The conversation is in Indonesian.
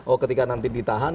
oh ketika nanti ditahan